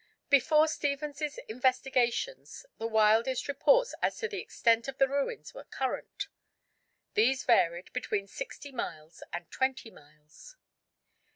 Before Stephens's investigations the wildest reports as to the extent of the ruins were current. These varied between sixty miles and twenty miles.